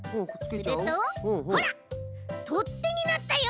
するとほらとってになったよ！